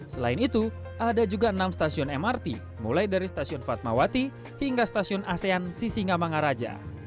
selain itu ada juga enam stasiun mrt mulai dari stasiun fatmawati hingga stasiun asean sisingamangaraja